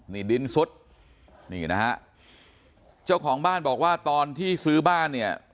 นี่ดินซุดนี่นะฮะเจ้าของบ้านบอกว่าตอนที่ซื้อบ้านเนี่ย